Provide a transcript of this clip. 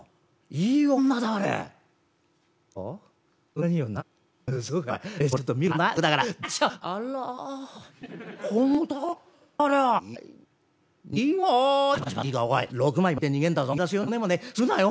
「いい女かよ？」。